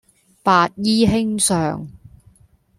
白衣卿相